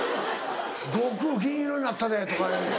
「悟空銀色になったで」とか。